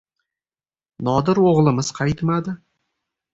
Nodir o‘g‘limiz qaytmadi.